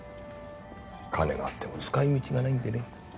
金があっても使い道がないんでね